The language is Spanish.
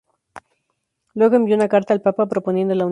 Luego envió una carta al papa proponiendo la unión.